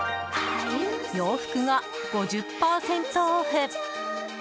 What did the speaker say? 洋服が５０％オフ。